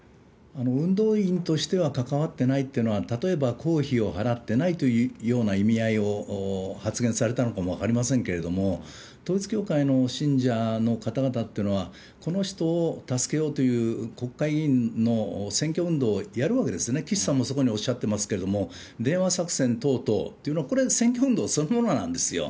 運動員としては関わってないというのは、例えば公費を払ってないというような意味合いを、発言されたのかも分かりませんけれども、統一教会の信者の方々っていうのは、この人を助けようという国会議員の選挙運動をやるわけですね、岸さんもそこにおっしゃってますけれども、電話作戦等々というのは、これ、選挙運動そのものなんですよ。